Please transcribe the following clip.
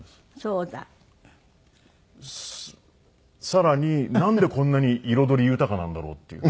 さらになんでこんなに彩り豊かなんだろうっていう。